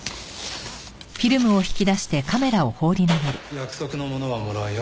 約束のものはもらうよ。